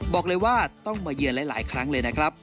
บอกเลยว่าต้องมาเยือนหลายครั้งเลยนะครับ